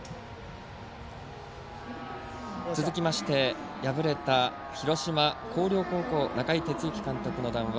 続きまして敗れた広島・広陵高校中井哲之監督の談話